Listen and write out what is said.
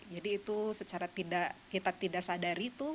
jadi itu secara tidak kita tidak sadari itu